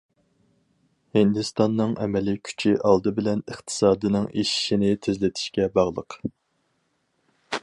ھىندىستاننىڭ ئەمەلىي كۈچى ئالدى بىلەن ئىقتىسادنىڭ ئېشىشىنى تېزلىتىشكە باغلىق.